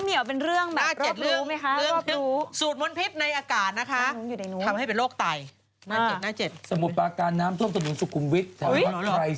ดูเรื่องข่าวความรู้นะฮะหน้าเจ็ดหาไม่เจอ